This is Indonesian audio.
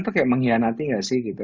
tuh kayak mengkhianati gak sih gitu